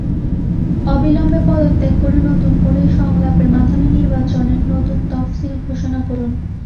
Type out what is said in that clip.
অবিলম্বে পদত্যাগ করে নতুন করে সংলাপের মাধ্যমে নির্বাচনের নতুন তফসিল ঘোষণা করুন।